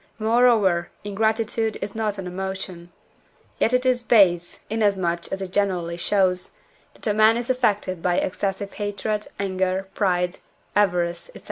Moreover, ingratitude is not an emotion. Yet it is base, inasmuch as it generally shows, that a man is affected by excessive hatred, anger, pride, avarice, &c.